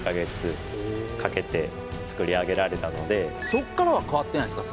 そっからは変わってないんですか？